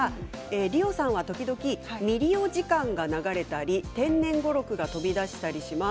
りおさんは時々みりお時間が流れたり天然語録が飛び出したりします。